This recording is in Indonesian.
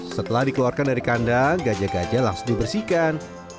setelah dikeluarkan dari kandang gajah gajah langsung dibersihkan